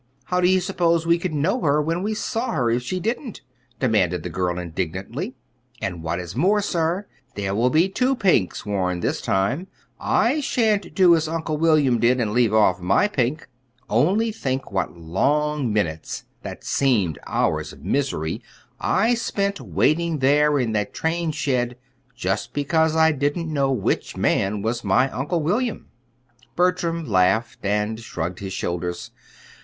How do you suppose we could know her when we saw her, if she didn't?" demanded the girl, indignantly. "And what is more, sir, there will be two pinks worn this time. I sha'n't do as Uncle William did, and leave off my pink. Only think what long minutes that seemed hours of misery I spent waiting there in that train shed, just because I didn't know which man was my Uncle William!" Bertram laughed and shrugged his shoulders.